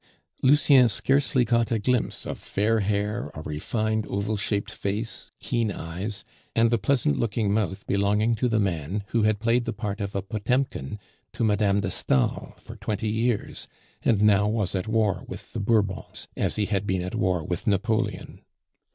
Lucien scarcely caught a glimpse of fair hair, a refined oval shaped face, keen eyes, and the pleasant looking mouth belonging to the man who had played the part of a Potemkin to Mme. de Stael for twenty years, and now was at war with the Bourbons, as he had been at war with Napoleon.